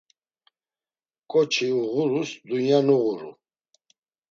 Ǩoçi uğurus dunya nuğuru.